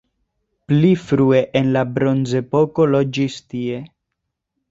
Pli frue en la bronzepoko loĝis tie.